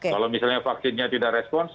kalau misalnya vaksinnya tidak respons